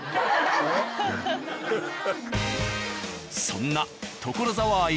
そんな所沢愛